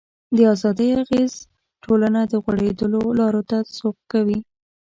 د ازادۍ اغېز ټولنه د غوړېدلو لارو ته سوق کوي.